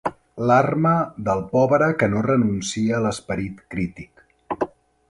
L'arma del pobre que no renuncia a l'esperit crític.